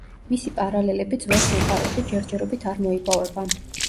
მისი პარალელები ძველ სამყაროში ჯერჯერობით არ მოიპოვება.